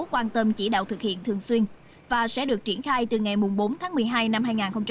quan tâm chỉ đạo thực hiện thường xuyên và sẽ được triển khai từ ngày bốn tháng một mươi hai năm hai nghìn hai mươi